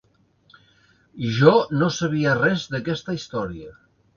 Jo no sabia res d'aquesta història.